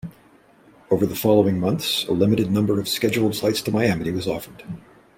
Over the following months, a limited number of scheduled flights to Miami was offered.